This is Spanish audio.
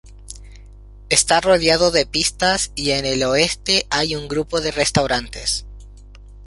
Está rodeado de pistas y en el oeste hay un grupo de restaurantes.